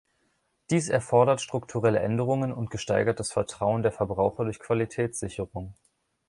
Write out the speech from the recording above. Dies erfordert strukturelle Änderungen und gesteigertes Vertrauen der Verbraucher durch Qualitätssicherung.